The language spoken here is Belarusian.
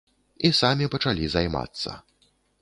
І самі пачалі займацца.